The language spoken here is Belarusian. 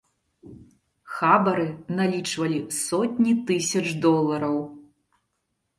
Хабары налічвалі сотні тысяч долараў.